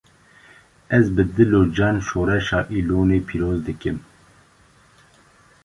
Ez bi dil û can şoreşa Îlonê pîroz dikim